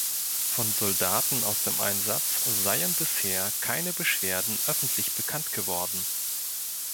Von Soldaten aus dem Einsatz seien bisher keine Beschwerden öffentlich bekannt geworden.